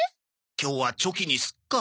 今日はチョキにすっか。